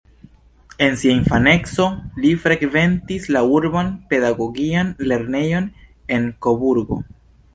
En sia infaneco, li frekventis la urban pedagogian lernejon en Koburgo.